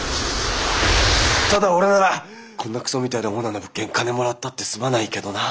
ただ俺ならこんなクソみたいなオーナーの物件金もらったって住まないけどな。